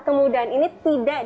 kemudahan ini tidak bisa dikira